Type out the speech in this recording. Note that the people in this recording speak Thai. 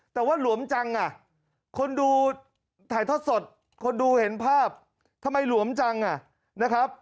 แต่ว่าหลวมจังอ่ะคนดูถ่ายทอดสดคนดูเห็นภาพทำไมหลวมจังอ่ะนะครับ